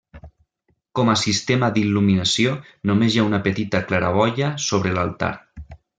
Com a sistema d'il·luminació només hi ha una petita claraboia sobre l'altar.